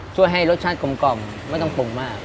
ช่วยให้รสชาติกลมไม่ต้องปรุงมาก